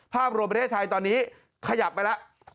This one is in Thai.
ภาพโรเบรทัยตอนนี้ขยับไปแล้ว